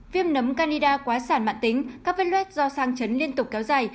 viêm nấm canada quá sản mạng tính các vết luet do sang chấn liên tục kéo dài